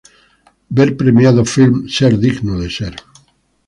Ver premiado film "Ser digno de ser".